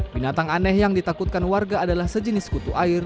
binatang aneh yang ditakutkan warga adalah sejenis kutu air